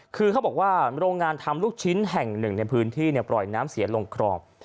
คือเขาบอกว่าโรงงานทำลูกชิ้นแห่งหนึ่งในพื้นที่ปล่อยน้ำเสียลงครอง